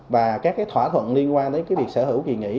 và các cái thỏa thuận liên quan đến cái việc sở hữu kỳ nghỉ